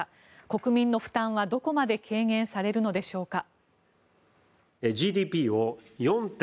国民の負担はどこまで軽減されるのでしょうか。